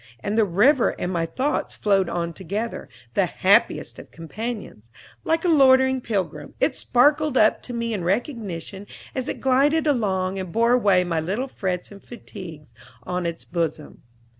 And the river and my thoughts flowed on together, the happiest of companions. Like a loitering pilgrim, it sparkled up to me in recognition as it glided along and bore away my little frets and fatigues on its bosom.